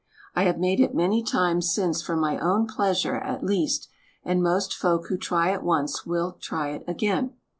J have made it many times since for my own pleasure, at least — and most folk who try it once will try it again.